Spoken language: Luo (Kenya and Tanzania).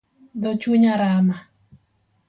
Dho chunya rama